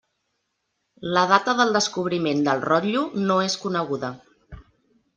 La data del descobriment del rotllo no és coneguda.